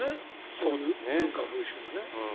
そういう文化・風習はね。